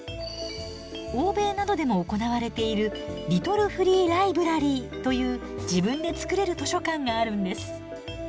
欧米などでも行われているリトルフリーライブラリーという自分で作れる図書館があるんです。